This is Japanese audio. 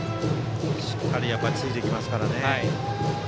しっかりついていきますね。